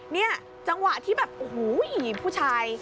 เนี่ยจังหวะที่แบบโอ้โหผู้ชาย